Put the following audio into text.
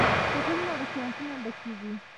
هوټلونه او رستورانتونه ډکیږي.